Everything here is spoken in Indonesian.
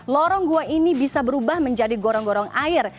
lorong gua ini bisa berubah menjadi gorong gorong air